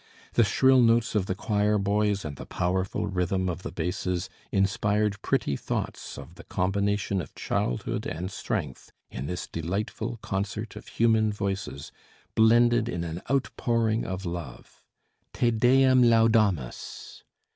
The shrill notes of the choir boys and the powerful rhythm of the basses inspired pretty thoughts of the combination of childhood and strength in this delightful concert of human voices blended in an outpouring of love. "Te Deum laudamus!"